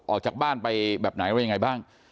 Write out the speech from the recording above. ออกจากบ้านไปแบบไหนว่าอย่างไรบ้าง